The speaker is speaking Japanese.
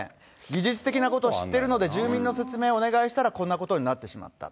技術的なこと知ってるので、住民の説明をお願いしたら、こんなことになってしまった。